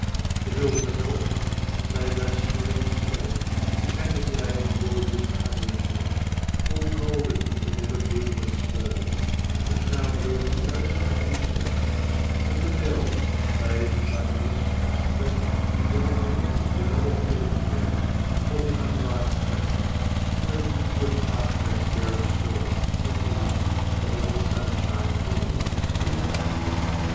The hills are heathy, save that swelling slope, Which hath a gay and gorgeous covering on, All golden with the never bloomless furze, Which now blooms most profusely : but the dell, Bathed by the mist, is fresh and delicate As vernal corn field, or the unripe flax, When, through its half transparent stalks, at eve, The level sunshine glimmers with green light.